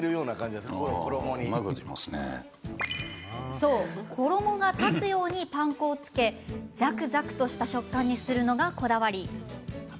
そう、衣が立つようにパン粉をつけザクザクとした食感にするのがこだわり。